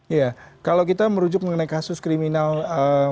iya kalau kita merujuk mengenai kasus kriminal